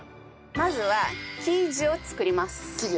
まずは生地を作ります。